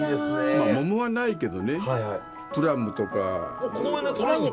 モモはないけどねプラムとか。